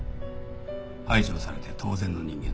排除されて当然の人間だ。